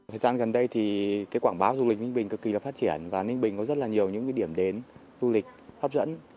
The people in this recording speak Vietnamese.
thời gian gần đây quảng báo du lịch ninh bình cực kỳ phát triển và ninh bình có rất nhiều điểm đến du lịch hấp dẫn